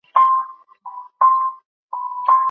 د روسيې د ګمرک کارکوونکي غوښتل پوه شي چې په کڅوړه کې څه دي.